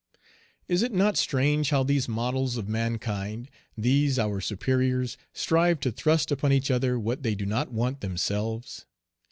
Is it not strange how these models of mankind, these our superiors, strive to thrust upon each other what they do not want themselves?